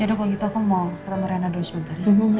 ya udah kalau gitu aku mau ketemu rena dulu sebentar ya